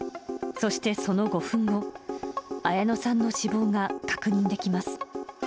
そしてその５分後、綾乃さんの死亡が確認できます。